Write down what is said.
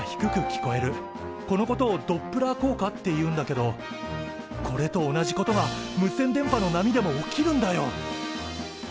このことをドップラー効果っていうんだけどこれと同じことが無線電波の波でも起きるんだよ。